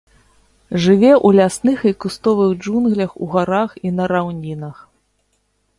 Жыве ў лясных і кустовых джунглях у гарах і на раўнінах.